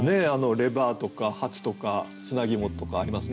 レバーとかハツとか砂肝とかありますね。